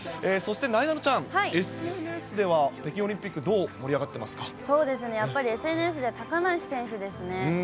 そしてなえなのちゃん、ＳＮＳでは、北京オリンピック、どう盛りやっぱりＳＮＳでは高梨選手ですね。